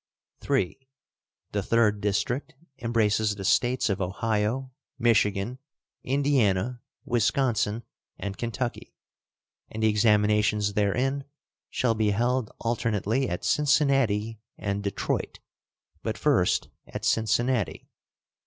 III. The third district embraces the States of Ohio, Michigan, Indiana, Wisconsin, and Kentucky; and the examinations therein shall be held alternately at Cincinnati and Detroit, but first at Cincinnati.